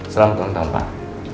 selamat ulang tahun pak